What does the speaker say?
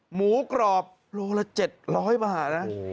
หมูกรอบโลละ๗๐๐บาทนะ